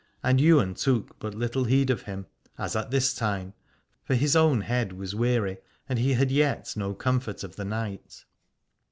And Ywain took but little heed of him, as at this time, for his own head was weary and he had yet no comfort of the night.